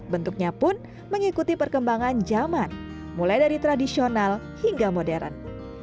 bentuknya pun mengikuti perkembangan zaman mulai dari tradisional hingga modern